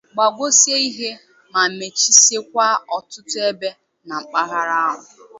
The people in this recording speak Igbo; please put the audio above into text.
gbagwosie ihe ma mechisiekwa ọtụtụ ebe na mpaghara ahụ.